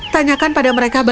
tanyakan pada mereka